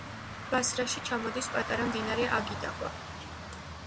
ბასრაში ჩამოდის პატარა მდინარე აგიდაყვა.